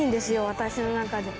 私の中で。